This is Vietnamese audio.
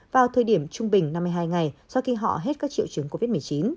vào thời điểm trung bình năm mươi hai ngày sau khi họ hết các triệu chứng covid một mươi chín